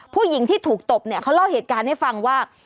ผู้หญิงที่ถูกตบเนี่ยเขาเล่าเหตุการณ์ให้ฟังว่า